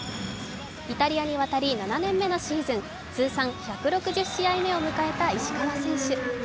イタリアに渡り、７年目のシーズン通算１６０試合目を迎えた石川選手。